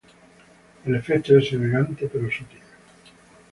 El efecto es elegante pero sutil.